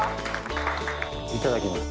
いただきます。